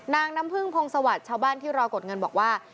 น้ำพึ่งพงศวรรค์ชาวบ้านที่รอกดเงินบอกว่า